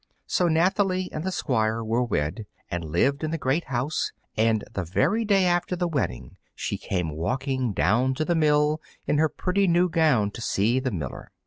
So Nathalie and the Squire were wed, and lived in the great house, and the very day after the wedding she came walking down to the mill in her pretty new gown to see the miller.